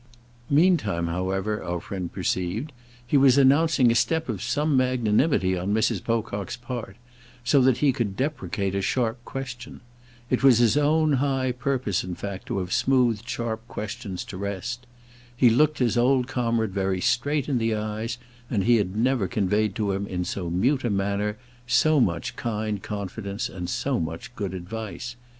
Meantime, however, our friend perceived, he was announcing a step of some magnanimity on Mrs. Pocock's part, so that he could deprecate a sharp question. It was his own high purpose in fact to have smoothed sharp questions to rest. He looked his old comrade very straight in the eyes, and he had never conveyed to him in so mute a manner so much kind confidence and so much good advice.